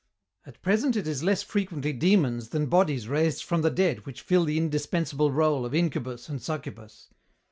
"At present it is less frequently demons than bodies raised from the dead which fill the indispensable rôle of incubus and succubus.